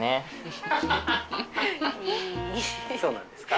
そうなんですか？